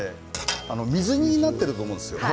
水煮になっていると思うんです。